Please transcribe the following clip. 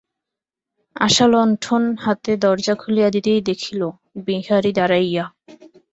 আশা লণ্ঠন-হাতে দরজা খুলিয়া দিতেই দেখিল, বিহারী দাঁড়াইয়া।